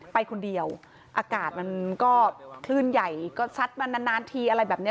ไปคนเดียวอากาศมันก็คลื่นใหญ่ก็ซัดมานานนานทีอะไรแบบนี้